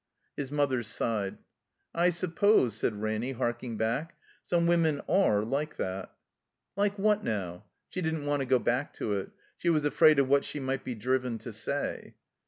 His mother sighed. "I suppose," said Ranny, harking back, "some women are like that." "like what now?" She didn't want to go back to it. She was afraid of what she might be driven to say.